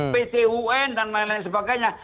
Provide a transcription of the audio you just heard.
pt un dan lain lain sebagainya